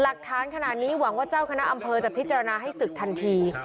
หลักฐานขนาดนี้หวังว่าเจ้าคณะอำเภอจะพิจารณาให้ศึกทันที